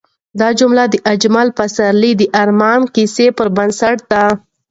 دا جملې د اجمل پسرلي د ارمان کیسې پر بنسټ دي.